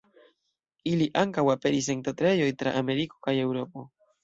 Ili ankaŭ aperis en teatrejoj tra Ameriko kaj Eŭropo.